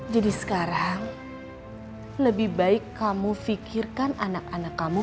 jadi sekarang lebih baik kamu fikirkan anak anak kamu